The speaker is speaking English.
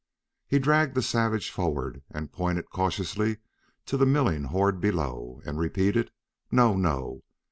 He dragged the savage forward and pointed cautiously to the milling horde below, and repeated, "No! No!"